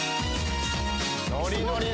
ノリノリだ。